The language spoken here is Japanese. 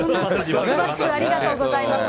詳しくありがとうございます。